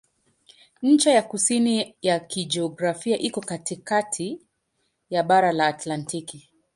Ncha ya kusini ya kijiografia iko katikati ya bara la Antaktiki.